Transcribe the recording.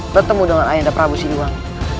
bertemu dengan ayah dan prabu sidiwang